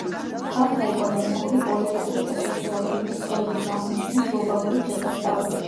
ქალთა ეკონომიკური, პოლიტიკური და სოციალური მიღწევების აღნიშვნის გლობალური დღესასწაული.